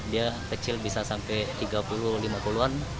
dia kecil bisa sampai tiga puluh lima puluh an